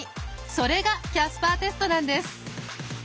それがキャスパーテストなんです。